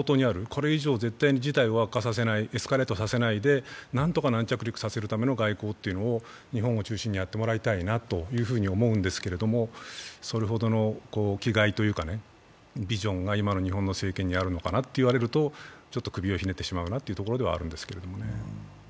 これ以上に絶対に事態をエスカレートさせないで、何とか軟着陸させるための外交を日本を中心にやってもらいたいなと思うんですけれども、それほどの気概というかビジョンが今の政権にあるのかなと言われるとちょっと首をひねってしまうというところではあるんですけどね。